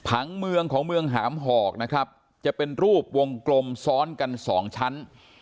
ผังเมืองของเมืองหามหอกนะครับจะเป็นรูปวงกลมซ้อนกันสองชั้น